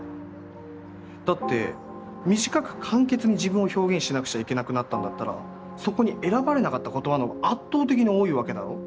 だって短く簡潔に自分を表現しなくちゃいけなくなったんだったらそこに選ばれなかった言葉の方が圧倒的に多いわけだろ。